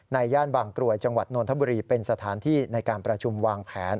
ย่านบางกรวยจังหวัดนทบุรีเป็นสถานที่ในการประชุมวางแผน